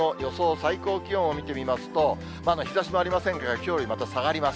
最高気温を見てみますと、日ざしもありませんからきょうよりまた下がります。